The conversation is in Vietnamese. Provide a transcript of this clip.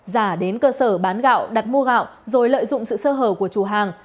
giả đến cơ sở bán gạo đặt mua gạo rồi lợi dụng sự sơ hở của chủ hàng